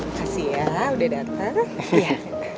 terima kasih ya udah datang